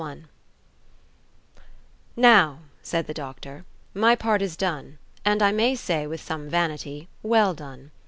OLALLA "Now," said the doctor, "my part is done, and, I may say, with some vanity, well done.